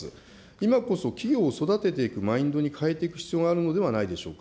今こそ企業を育てていくマインドに変えていく必要があるのではないでしょうか。